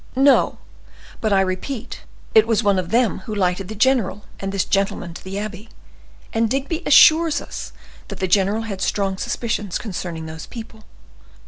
"No; but I repeat it was one of them who lighted the general and this gentleman to the abbey, and Digby assures us that the general had strong suspicions concerning those people.